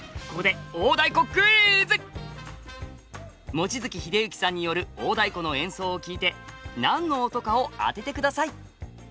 望月秀幸さんによる大太鼓の演奏を聴いて何の音かを当ててください。